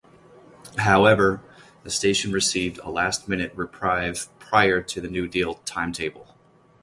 However, the station received a last-minute reprieve prior to the New Deal timetable.